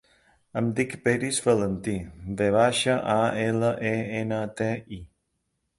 Em dic Peris Valenti: ve baixa, a, ela, e, ena, te, i.